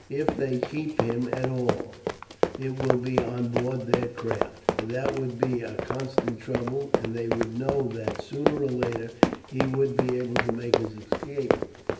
If they keep him at all it will be on board their craft, but that would be a constant trouble, and they would know that sooner or later he would be able to make his escape.